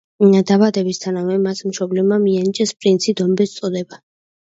დაბადებისთანავე, მას მშობლებმა მიანიჭეს პრინცი დომბეს წოდება.